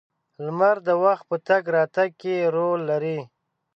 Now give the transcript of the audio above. • لمر د وخت په تګ راتګ کې رول لري.